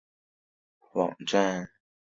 伦永亮官方网站